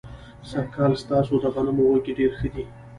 سږ کال ستاسو د غنمو وږي ډېر ښه دي.